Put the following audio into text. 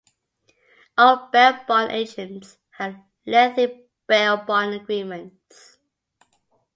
All bail bond agents have lengthy bail bond agreements.